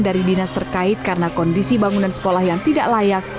dari dinas terkait karena kondisi bangunan sekolah yang tidak layak